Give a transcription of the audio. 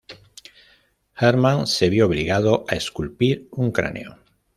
Hermann se vio obligado a esculpir un cráneo.